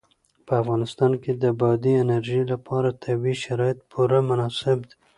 په افغانستان کې د بادي انرژي لپاره طبیعي شرایط پوره مناسب دي.